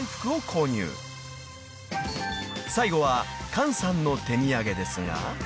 ［最後は菅さんの手みやげですが］